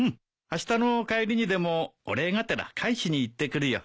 あしたの帰りにでもお礼がてら返しにいってくるよ。